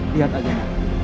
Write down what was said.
lihat aja pak